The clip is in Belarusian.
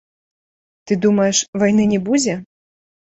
Ты думаеш, вайны не будзе?